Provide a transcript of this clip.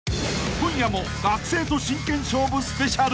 ［今夜も学生と真剣勝負スペシャル！］